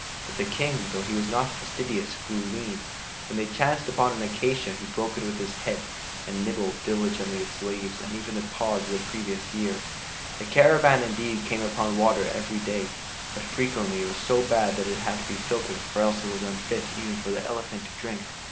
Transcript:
But the King, though he was not fastidious, grew lean. When they chanced upon an acacia he broke it with his head, and nibbled diligently its leaves and even the pods of the previous year. The caravan indeed came upon water every day, but frequently it was so bad that it had to be filtered or else it was unfit even for the elephant to drink.